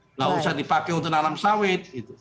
nggak usah dipakai untuk nanam sawit